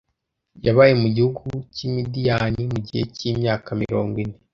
Yabaye mu gihugu cy’i Midiyani mu gihe cy’imyaka mirongo ine